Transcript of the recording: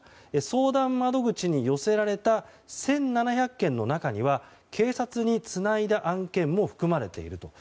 相談窓口に寄せられた１７００件の中には警察につないだ案件も含まれていると。